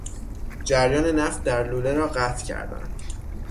جریان نفت در لوله را قطع کردن